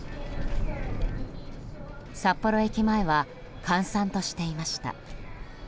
札幌駅前は閑散としていました。